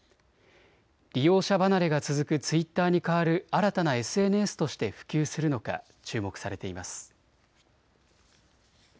利用者離れが続くツイッターに代わる新たなＳＮＳとして普及するのか注目されています。